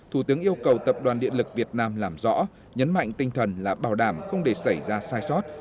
thủ tướng yêu cầu tập đoàn điện lực việt nam làm rõ nhấn mạnh tinh thần là bảo đảm không để xảy ra sai sót